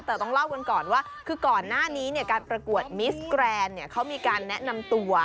แต่ต้องเล่ากันก่อนว่าคือก่อนหน้านี้เนี่ยการประกวดมิสแกรนด์เขามีการแนะนำตัว